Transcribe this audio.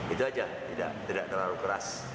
itu aja tidak terlalu keras